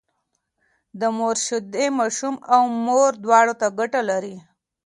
د مور شيدې ماشوم او مور دواړو ته ګټه لري